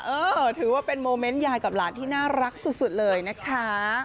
เออถือว่าเป็นโมเมนต์ยายกับหลานที่น่ารักสุดเลยนะคะ